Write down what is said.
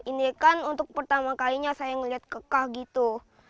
ini kan untuk pertama kalinya saya melihat kekah gitu